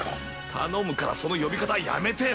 頼むからその呼び方はやめてよ！